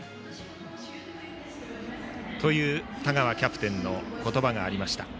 田川キャプテンの言葉がありました。